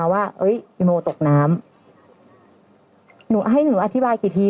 ว่าอีโมตกน้ำหนูให้หนูอธิบายกี่ที